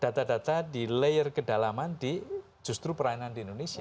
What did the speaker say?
data data di layer kedalaman di justru perainan di indonesia